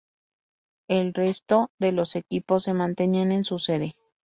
El resto de los equipos se mantenían en su sede.